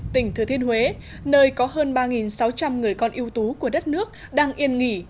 tỉnh thừa thiên huế nơi có hơn ba sáu trăm linh người con yêu tú của đất nước đang yên nghỉ